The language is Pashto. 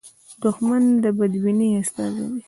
دښمن د بدبینۍ استازی دی